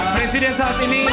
presiden saat ini